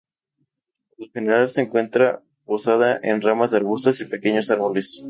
Por lo general, se encuentra posada en ramas de arbustos y pequeños árboles.